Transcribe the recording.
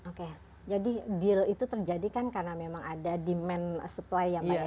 oke jadi deal itu terjadi kan karena memang ada demand supply yang banyak